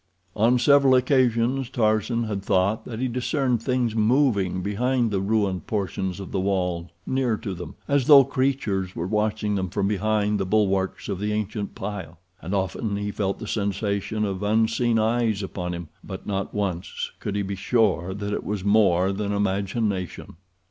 On several occasions Tarzan had thought that he discerned things moving behind the ruined portions of the wall near to them, as though creatures were watching them from behind the bulwarks of the ancient pile. And often he felt the sensation of unseen eyes upon him, but not once could he be sure that it was more than imagination.